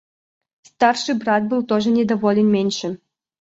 Старший брат был тоже недоволен меньшим.